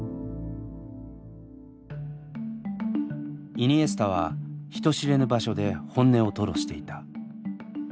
イニエスタは人知れぬ場所で本音を吐露していた。